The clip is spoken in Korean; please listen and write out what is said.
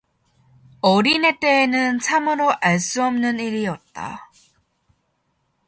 어린애 때에는 참으로 알 수 없는 일이었다.